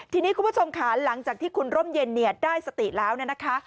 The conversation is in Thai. ทีนี้คุณผู้ชมขาหลังจากที่คุณร่มเย็นได้สติแล้วนะคะ